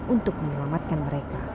untuk menyelamatkan mereka